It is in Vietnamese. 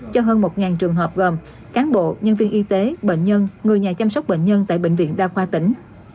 cho hơn một trường hợp gồm cán bộ nhân viên y tế bệnh nhân người nhà chăm sóc bệnh nhân tại bệnh viện đa khoa tỉnh